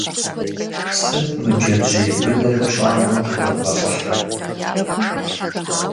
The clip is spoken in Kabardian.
Сыт мы джэджьей быныр пщӀантӀэм щӀыдэбгъэлӀыхьыр?